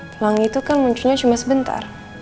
pelangi itu kan munculnya cuma sebentar